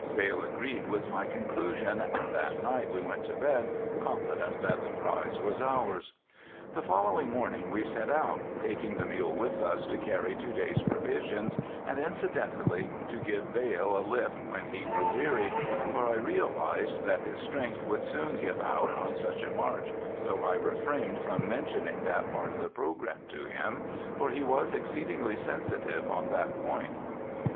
Vail agreed with my conclusion and that night we went to bed confident that the prize was ours. The following morning we set out, taking the mule with us to carry two days' provisions, and incidentally to give Vale a lift when he grew weary, for I realized that his strength would soon give out on such a march, though I refrained from mentioning that part of the program to him, for he was exceedingly sensitive on that point.